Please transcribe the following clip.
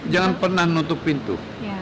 jangan pernah nutup pintu